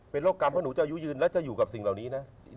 เป็นโรคกรรมเพราะหนูจะอายุยืนและจะอยู่กับสิ่งเหล่านี้นะ